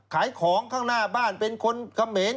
ขายของข้างหน้าบ้านเป็นคนเขมร